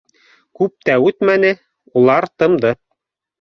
Күп тә үтмәне, улар тымды